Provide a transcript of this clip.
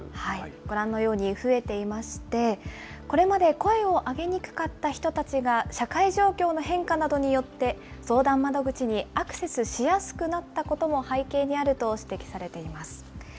ご覧のように増えていまして、これまで声を上げにくかった人たちが、社会状況の変化などによって、相談窓口にアクセスしやすくなったことも背景にあると指摘されています。